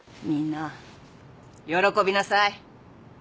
みんな喜びなさい。